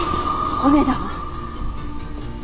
骨だわ。